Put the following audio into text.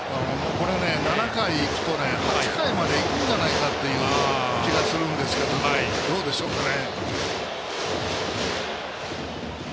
７回いくとね８回までいくんじゃないかという気がするんですけどどうでしょうかね。